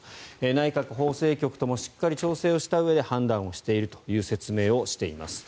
内閣法制局ともしっかり調整したうえで判断しているという説明をしています。